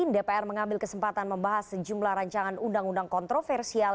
dpr mengambil kesempatan membahas sejumlah rancangan undang undang kontroversial